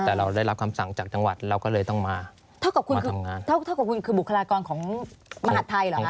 แต่เราได้รับคำสั่งจากจังหวัดเราก็เลยต้องมาเท่ากับคุณคือเท่าเท่ากับคุณคือบุคลากรของมหาดไทยเหรอคะ